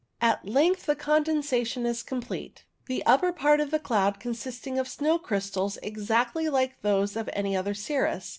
At length the condensation is complete, the upper part of the cloud consisting of snow crystals exactly like those of any other cirrus.